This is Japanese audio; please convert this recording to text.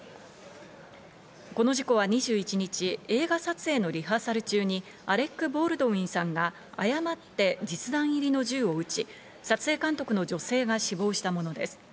この事故は２１日、映画撮影のリハーサル中にアレック・ボールドウィンさんが誤って実弾入りの銃を撃ち、撮影監督の女性が死亡したものです。